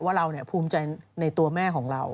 ว่าเราภูมิใจในตัวแม่ของเรา